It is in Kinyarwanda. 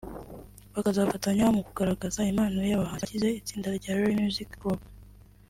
bakazafatanya mu kugaragaza impano y’aba bahanzi bagize itsinda rya Real Music Group